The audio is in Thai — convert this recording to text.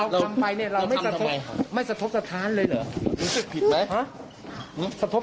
ของไซต์ใหม่เราถามลูกไปไหน